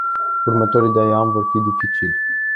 Următorii doi ani vor fi dificili.